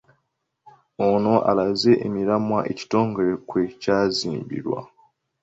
Ono alaze emiramwa ekitongole kwe kya zimbirwa.